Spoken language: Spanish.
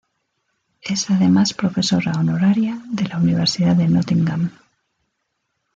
Es además profesora honoraria de la Universidad de Nottingham.